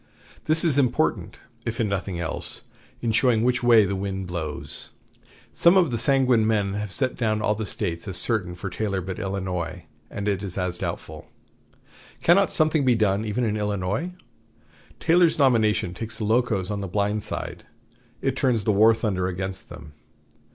This is important, if in nothing else, in showing which way the wind blows. Some of the sanguine men have set down all the States as certain for Taylor but Illinois, and it as doubtful. Cannot something be done even in Illinois? Taylor's nomination takes the Locos on the blind side. It turns the war thunder against them.